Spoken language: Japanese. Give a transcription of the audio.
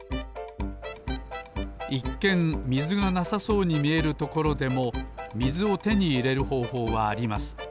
いっけんみずがなさそうにみえるところでもみずをてにいれるほうほうはあります。